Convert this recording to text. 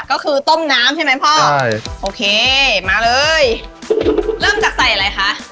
ก็คือต้มน้ำใช่ไหมพ่อใช่โอเคมาเลยเริ่มจากใส่อะไรคะ